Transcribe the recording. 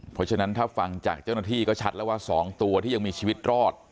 เพราะฉะนั้นถ้าฟังจากเจ้าหน้าที่ก็ชัดแล้วว่า๒ตัวที่ยังมีชีวิตรอด